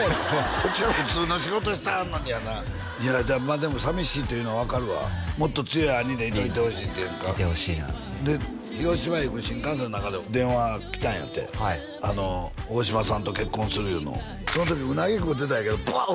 こっちは普通の仕事してはるのにやなでも寂しいというのは分かるわもっと強い兄でいといてほしいいてほしいなって広島へ行く新幹線の中で電話来たんやて大島さんと結婚するいうのその時うなぎ食うてたんやけどブッ！